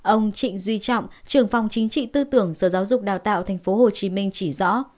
ông trịnh duy trọng trường phòng chính trị tư tưởng sở giáo dục đào tạo tp hcm chỉ rõ